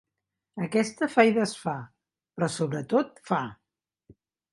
Aquesta fa i desfà, però sobretot fa.